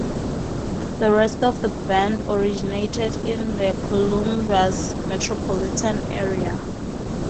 The rest of the band originated in the Columbus metropolitan area.